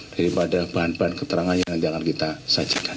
daripada bahan bahan keterangannya yang akan kita saja dengkan